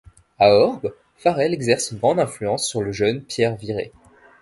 A Orbe, Farel exerce une grande influence sur le jeune Pierre Viret.